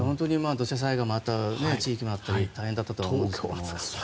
土砂災害があった地域もあったり大変だったと思うんですけど。